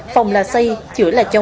phòng là xây chữa là chọn